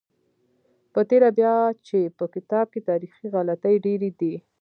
په تېره بیا چې په کتاب کې تاریخي غلطۍ ډېرې دي.